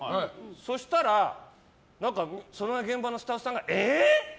そしたらその現場のスタッフさんがえー！